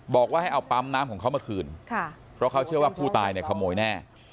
บอกว่าให้เอาปั๊มน้ำของเขามาคืนเพราะเขาเชื่อว่าผู้ตายเนี่ยขโมยแน่